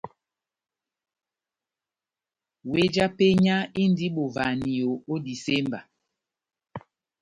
Weh já penya indi bovahaniyo ó disemba.